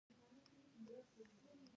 ښانک د اوبو د ساتلو لوښی دی